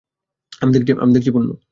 আমি দেখছি, পুন্নু।